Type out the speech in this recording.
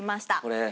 これ？